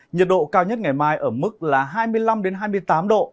nhiệt độ cao nhất ngày mai ở mức là hai mươi năm hai mươi tám độ